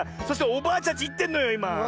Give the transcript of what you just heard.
そしておばあちゃんちいってんのよいま。